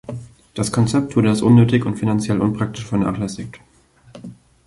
Das Konzept wurde als unnötig und finanziell unpraktisch vernachlässigt.